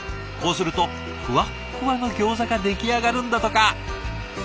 こうするとふわっふわのギョーザが出来上がるんだとか。